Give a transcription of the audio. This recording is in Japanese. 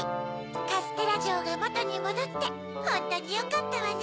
カステラじょうがもとにもどってホントによかったわね。